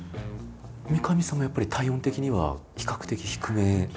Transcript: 三上さんもやっぱり体温的には比較的低めであったり？